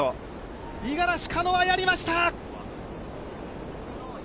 五十嵐カノア、やりました！